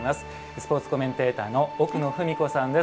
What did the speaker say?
スポーツコメンテーターの奥野史子さんです。